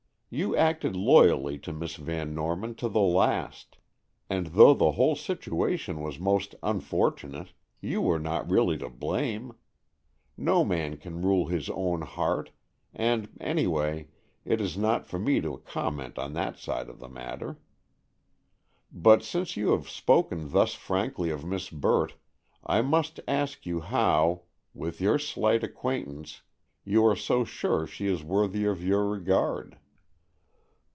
You acted loyally to Miss Van Norman to the last, and though the whole situation was most unfortunate, you were not really to blame. No man can rule his own heart, and, any way, it is not for me to comment on that side of the matter. But since you have spoken thus frankly of Miss Burt, I must ask you how, with your slight acquaintance, you are so sure she is worthy of your regard."